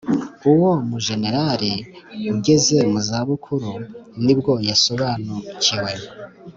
uwo mujenerali ugeze mu zabukuru nibwo yasobanukiwe.